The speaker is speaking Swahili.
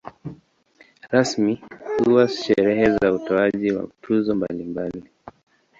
Rasmi huwa sherehe za utoaji wa tuzo mbalimbali.